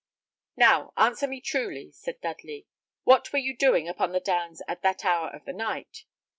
"Now, answer me truly," said Dudley. "What were you doing upon the Downs at that hour of the night?"